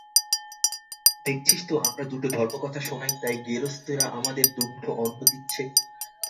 দেখছিস তো আমরা দুটো ধর্মকথা শোনাই, তাই গেরস্তেরা আমাদের দুমুঠো অন্ন দিচ্ছে।